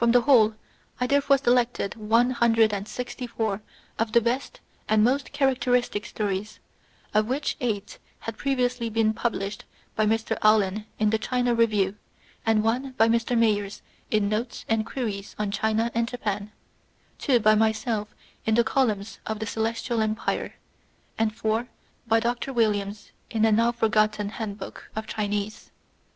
Of the whole, I therefore selected one hundred and sixty four of the best and most characteristic stories, of which eight had previously been pub lished by Mr. Allen in the China Review, one by Mr. Mayers in Notes and Queries on China and XXX INTRODUCTION. Japan, two by myself in the columns of the Celestial Empire, and four by Dr. Williams in a now forgotten handbook of Chinese.